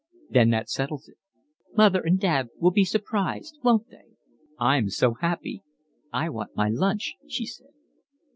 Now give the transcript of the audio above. "Then that settles it." "Mother and Dad will be surprised, won't they?" "I'm so happy." "I want my lunch," she said.